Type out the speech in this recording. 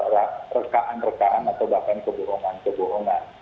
rekaan rekaan atau bahkan kebohongan kebohongan